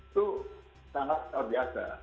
itu sangat luar biasa